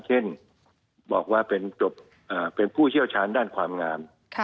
เช่นบอกว่าเป็นผู้เชี่ยวชาญด้านความงาม